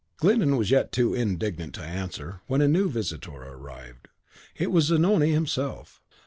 Glyndon was yet too indignant to answer, when a new visitor arrived. It was Zanoni himself.